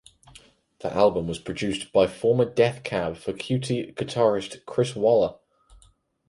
The album was produced by former Death Cab for Cutie guitarist Chris Walla.